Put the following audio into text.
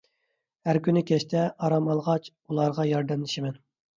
ھەر كۈنى كەچتە ئارام ئالغاچ ئۇلارغا ياردەملىشىمەن.